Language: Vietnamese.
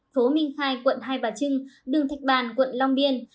phố minh khai quận hai bà trưng đường thạch bàn quận long biên